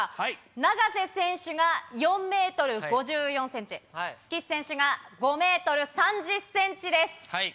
永瀬選手が４メートル５４センチ、岸選手が５メートル３０センチです。